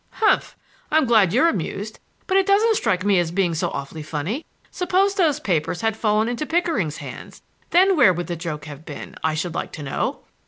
"Humph! I'm glad you're amused, but it doesn't strike me as being so awfully funny. Suppose those papers had fallen into Pickering's hands; then where would the joke have been, I should like to know!"